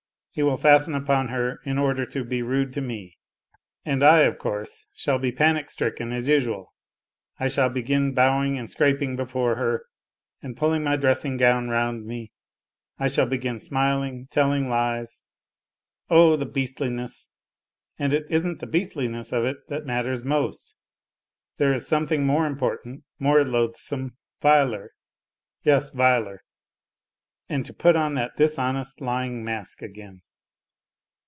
He will fasten upon her in order to be rude to me. And I, of course, shall be panic stricken as usual, I shall begin bowing and scraping before her and pulling my dressing gown round me, I shall begin smiling, telling lies. Oh, the beastliness ! And it isn't the beastliness of it that matters most ! There is something more important, more loathsome, viler ! Yes, viler ! And to put on that dishonest lying mask again